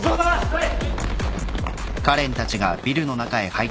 はい！